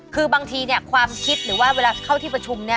คือบางทีเนี่ยความคิดหรือว่าเวลาเข้าที่ประชุมเนี่ย